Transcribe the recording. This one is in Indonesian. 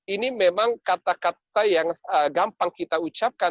ini memang kata kata yang gampang kita ucapkan